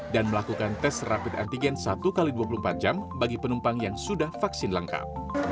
dan melakukan tes rapid antigen satu x dua puluh empat jam bagi penumpang yang sudah vaksin lengkap